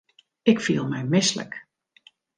Ik fiel my mislik.